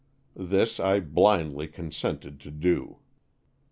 This I blindly consented to do.